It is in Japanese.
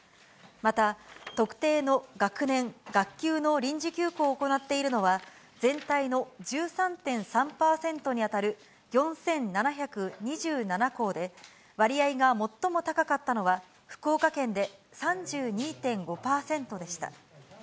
また、特定の学年、学級の臨時休校を行っているのは、全体の１３．３％に当たる４７２７校で、割合が最も高かったのは、福岡県で３２．５％でした。